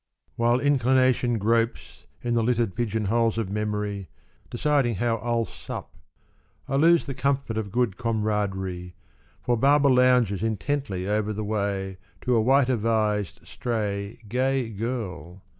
21 While inclination gropes In the littered pigeon holes of memory, Deciding how I'll sup, I lose the comfort of good comradry. For Barbor lounges intently over the way To a white avised, stray. Gay girl.